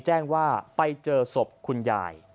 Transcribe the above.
แจ้งว่าไปเจอศพคุณยาย